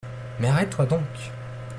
Mais arrête-toi donc !…